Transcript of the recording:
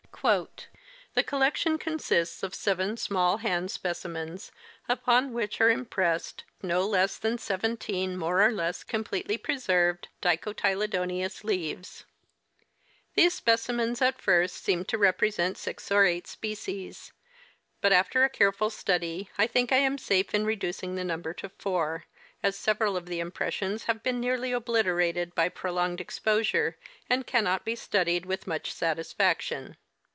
" The collection consists of seven small hand specimens, upon which are impressed no less than seventeen more or less completely preserved dicoty ledonous leaves. " These specimens at first sight seem to rei^resent six or eight species, but after a careful study I think I am safe in reducing the number to four, as several of the impressions have been nearly obliterated by prolonged exposure and cannot be studied with much satisfaction.